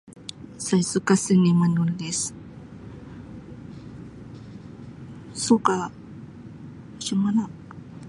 Saya suka seni menulis. Suka macam mana.